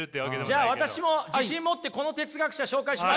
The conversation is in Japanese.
じゃあ私も自信持ってこの哲学者紹介しましょう。